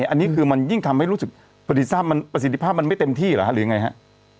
อันนี้คือมันยิ่งทำให้รู้สึกประสิทธิภาพมันไม่เต็มที่เหรอฮะหรือไงฮะ